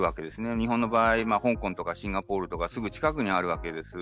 日本の場合香港やシンガポールなどすぐ近くにあるわけです。